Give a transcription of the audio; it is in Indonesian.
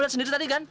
masa sekarang ya